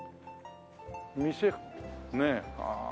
店ねえ。